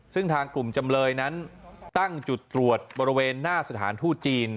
ซึ่งทางกลุ่มจำเลยนั้นตั้งจุดตรวจบริเวณหน้าสถานทูตจีน